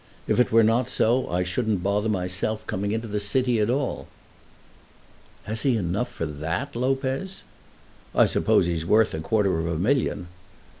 If it were not so I shouldn't bother myself coming into the city at all." "Has he enough for that, Lopez?" "I suppose he's worth a quarter of a million."